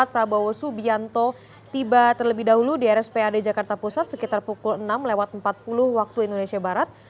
prabowo subianto tiba terlebih dahulu di rspad jakarta pusat sekitar pukul enam lewat empat puluh waktu indonesia barat